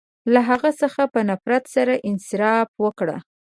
• له هغه څخه په نفرت سره انصراف وکړ.